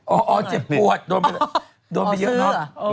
โอ้เจ็บปวดโดนไปเยอะมาก